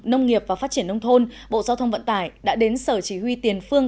nông nghiệp và phát triển nông thôn bộ giao thông vận tải đã đến sở chỉ huy tiền phương